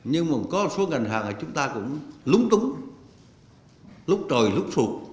có một số ngành hàng là chúng ta cũng lúng túng lúc trời lúc phục